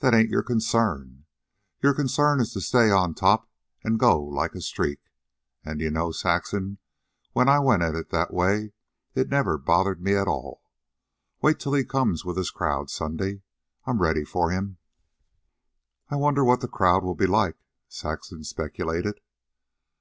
That ain't your concern. Your concern is to stay on top and go like a streak. An', d'ye know, Saxon, when I went at it that way it never bothered me at all. Wait till he comes with his crowd Sunday. I'm ready for him." "I wonder what the crowd will be like," Saxon speculated.